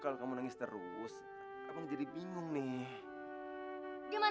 kalau kamu nangis terus abang jadi bingung nih